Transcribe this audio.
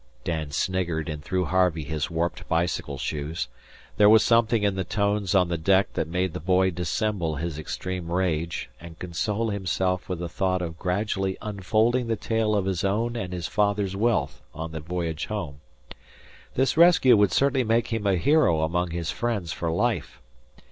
Dan sniggered, and threw Harvey his warped bicycle shoes. There was something in the tones on the deck that made the boy dissemble his extreme rage and console himself with the thought of gradually unfolding the tale of his own and his father's wealth on the voyage home. This rescue would certainly make him a hero among his friends for life.